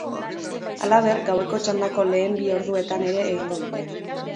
Halaber, gaueko txandako lehen bi orduetan ere egingo dute.